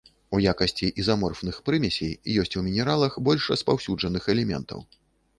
У якасці ізаморфных прымесей ёсць у мінералах больш распаўсюджаных элементаў.